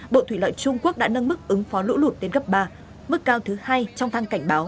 bộ thủy lợi trung quốc đã nâng mức ứng phó lũ lụt đến gấp ba mức cao thứ hai trong thang cảnh báo